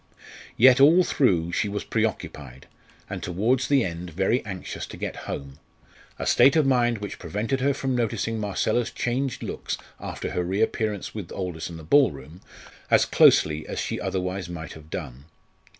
Yet all through she was preoccupied, and towards the end very anxious to get home, a state of mind which prevented her from noticing Marcella's changed looks after her reappearance with Aldous in the ball room, as closely as she otherwise might have done.